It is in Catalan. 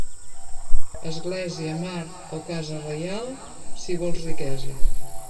Església, mar o casa reial, si vols riquesa.